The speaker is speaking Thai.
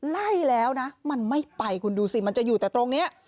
ไล่แล้วนะมันไม่ไปคุณดูสิมันจะอยู่แต่ตรงนี้